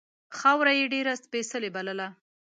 خاوره یې ډېره سپېڅلې بلله.